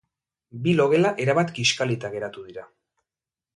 Bi logela erabat kiskalita geratu dira.